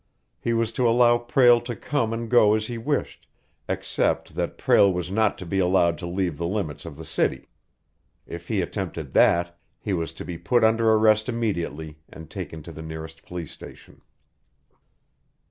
He was to allow Prale to come and go as he wished, except that Prale was not to be allowed to leave the limits of the city. If he attempted that, he was to be put under arrest immediately and taken to the nearest police station.